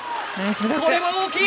これは大きい！